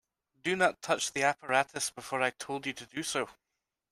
Do not touch the apparatus before I told you to do so.